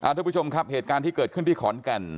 ทุกผู้ชมครับเหตุการณ์ที่เกิดขึ้นที่ขอนแก่น